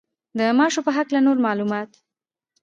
د ماشو په هکله نور معلومات.